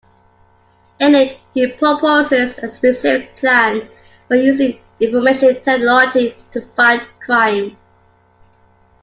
In it he proposes a specific plan for using information technology to fight crime.